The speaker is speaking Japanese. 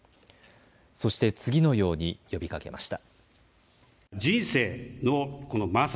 そして次のように呼びかけました。